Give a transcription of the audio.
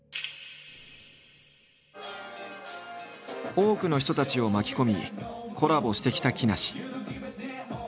多くの人たちを巻き込みコラボしてきた木梨。